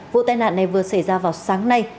vụ tai nạn này vừa xảy ra vào sáng nay